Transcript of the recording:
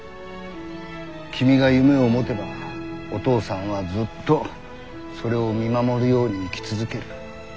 君が夢を持てばお父さんはずっとそれを見守るように生き続ける。